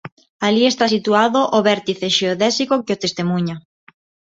Alí está situado o vértice xeodésico que o testemuña.